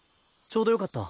ちょうどよかった。